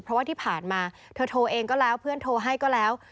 เพราะว่าที่ผ่านมาเธอโทรเองก็แล้วเพื่อนโทรให้ก็แล้ว